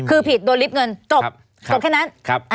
คือผิดโดนรีบเงินจบจบแค่นั้น